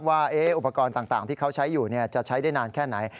ว่าอุปกรณ์ต่างที่เขาใช้อยู่จะใช้ได้นานแค่ไหน